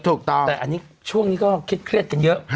แต่อันนี้ช่วงนี้ก็เครียดเยอะ